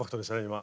今。